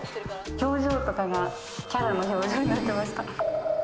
表情とかがキャラの表情になってました。